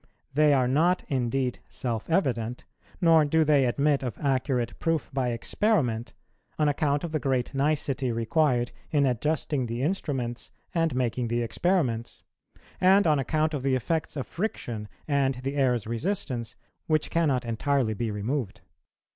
They are not indeed self evident, nor do they admit of accurate proof by experiment, on account of the great nicety required in adjusting the instruments and making the experiments; and on account of the effects of friction, and the air's resistance, which cannot entirely be removed.